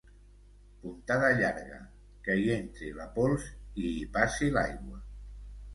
Puntada llarga, que hi entri la pols i hi passi l'aigua.